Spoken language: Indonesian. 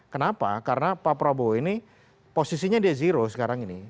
kenapa karena pak prabowo ini posisinya dia zero sekarang ini